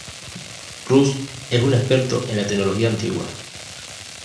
Rush es un experto en la tecnología antigua.